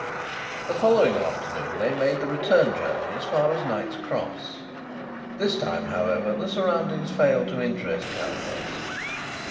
The following afternoon they made the return journey as far as Knight's Cross. This time, however, the surroundings failed to interest Carrados.